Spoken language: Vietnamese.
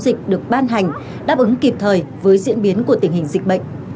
dịch được ban hành đáp ứng kịp thời với diễn biến của tình hình dịch bệnh